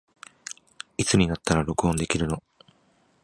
いつになったら録音できるの